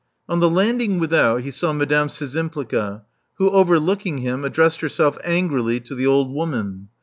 On the landing without, he saw Madame Szczympliga, wlu), overlooking him, addressed herself angrily to the old woman.